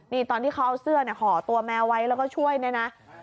นี่ตอนที่เขาเอาเสื้อห่อตัวแมวไว้แล้วก็ช่วยเนี่ยนะ